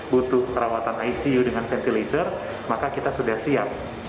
butuh perawatan icu dengan ventilator maka kita sudah siap